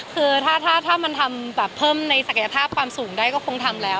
คือถ้ามันทำแบบเพิ่มในศักยภาพความสูงได้ก็คงทำแล้ว